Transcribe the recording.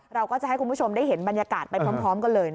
เราก็จะให้คุณผู้ชมได้เห็นบรรยากาศไปพร้อมกันเลย